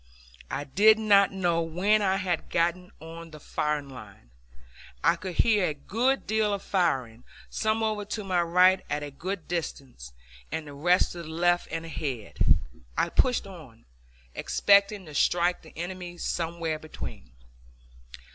I did not know when I had gotten on the firing line! I could hear a good deal of firing, some over to my right at a good distance, and the rest to the left and ahead. I pushed on, expecting to strike the enemy somewhere between.